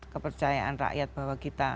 kepercayaan rakyat bahwa kita